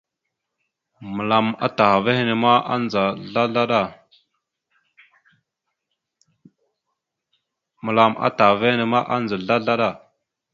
Məlam atah ava henne ma, adza slaslaɗa.